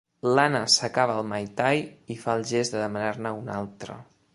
L'Anna s'acaba el mai tai i fa el gest de demanar-ne un altre.